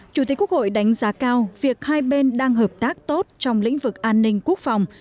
chủ tịch quốc hội đánh giá cao việc hai bên đang hợp tác tốt trong lĩnh vực an ninh quốc phòng